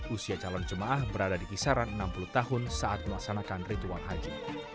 usia calon jemaah berada di kisaran enam puluh tahun saat melaksanakan ritual haji